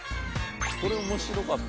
これ面白かったな。